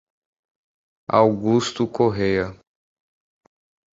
Augusto Corrêa